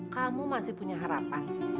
kamu masih punya harapan